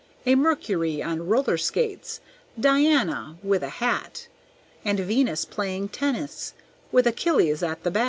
A Mercury on roller skates, Diana with a hat, And Venus playing tennis with Achilles at the bat.